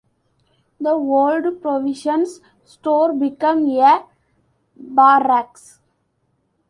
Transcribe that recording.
The old provisions store became a barracks.